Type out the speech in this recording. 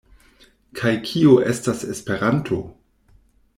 Kaj kio estas Esperanto?